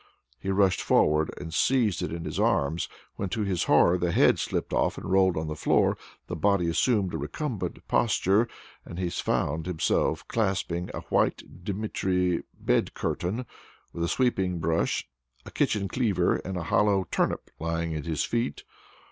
He rushed forward and seized it in his arms, when, to his horror, the head slipped off and rolled on the floor, the body assumed a recumbent posture, and he found himself clasping a white dimity bed curtain, with a sweeping brush, a kitchen cleaver, and a hollow turnip lying at his feet!